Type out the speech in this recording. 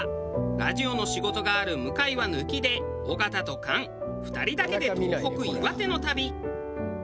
ラジオの仕事がある向井は抜きで尾形と菅２人だけで東北・岩手の旅。